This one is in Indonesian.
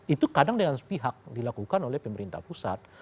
itu kadang dengan sepihak dilakukan oleh pemerintah pusat